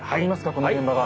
この現場が。